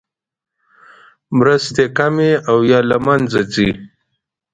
مرستې کمې او یا له مینځه ځي.